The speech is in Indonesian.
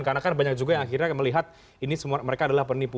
karena kan banyak juga yang akhirnya melihat ini mereka adalah penipu